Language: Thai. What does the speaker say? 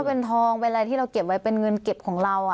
เป็นทองเป็นอะไรที่เราเก็บไว้เป็นเงินเก็บของเรา